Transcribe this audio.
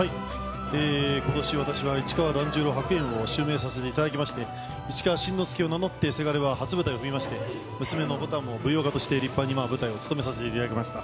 ことし、私は市川團十郎白猿を襲名させていただきまして、市川新之助を名乗って、せがれは初舞台を踏みまして、娘のことは舞踊家として立派に今、舞台を務めさせていただきました。